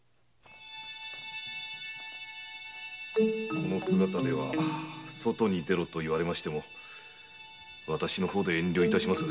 この姿では外に出ろといわれても私の方で遠慮いたします。